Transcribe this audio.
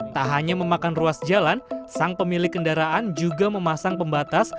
tak hanya memakan ruas jalan sang pemilik kendaraan juga memasang pembatas